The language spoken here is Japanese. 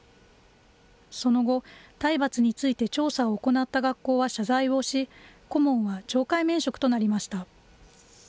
その後、体罰について調査を行った学校は謝罪をし、顧問は懲戒免職となりました。